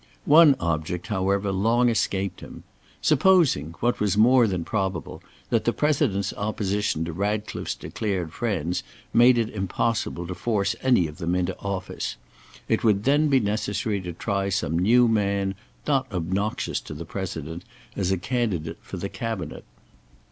One object, however, long escaped him. Supposing, what was more than probable, that the President's opposition to Ratcliffe's declared friends made it impossible to force any of them into office; it would then be necessary to try some new man, not obnoxious to the President, as a candidate for the Cabinet.